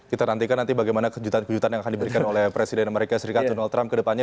kita nantikan nanti bagaimana kejutan kejutan yang akan diberikan oleh presiden amerika serikat donald trump ke depannya